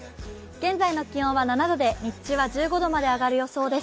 現在の気温は７度で日中は１５度まで上がる予想です。